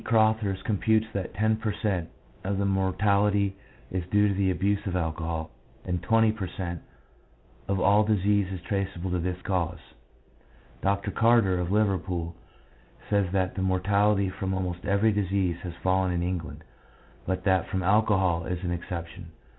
Crothers computes that 10 per cent, of all mortality is due to the abuse of alcohol, and 20 per cent, of all disease is traceable to this cause. Dr. Carter, of Liverpool, says that the mortality from almost every disease has fallen in England, but that from alcohol is an exception.